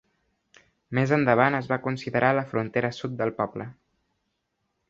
Més endavant es va considerar la frontera sud del poble.